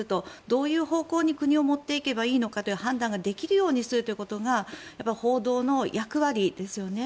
どういう方向に国を持っていけばいいのかという判断をできるようにするというのが報道の役割ですよね。